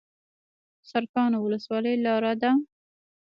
سرکانو ولسوالۍ لاره ده؟